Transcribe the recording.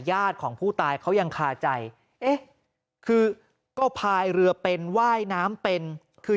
ญาติของผู้ตายเขายังคาใจเอ๊ะคือก็พายเรือเป็นว่ายน้ำเป็นคือ